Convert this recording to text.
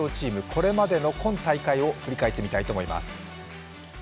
これまでの今大会を振り返ってみたいと思います。